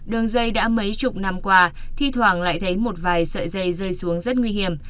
đường dây đã mấy chục năm qua thi thoảng lại thấy một vài sợi dây rơi xuống rất nguy hiểm